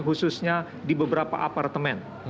khususnya di beberapa apartemen